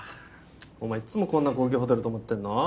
お前いっつもこんな高級ホテル泊まってんの？